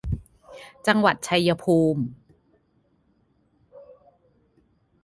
จังหวัดชัยภูมิ